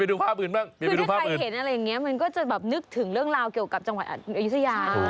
ดูภาพอื่นบ้างคือถ้าใครเห็นอะไรอย่างนี้มันก็จะแบบนึกถึงเรื่องราวเกี่ยวกับจังหวัดอยุธยา